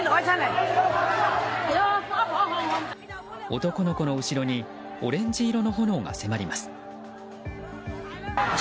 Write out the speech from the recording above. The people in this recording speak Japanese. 男の子の後ろにオレンジ色の炎が迫ります。